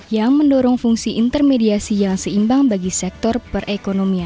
yang mendorong fungsi intermediasi yang seimbang bagi sektor perekonomian